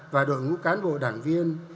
và đội ngũ cán bộ đảng viên